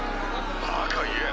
バカ言え。